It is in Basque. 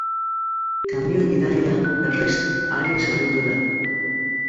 Kamioi gidaria, berriz, arin zauritu da.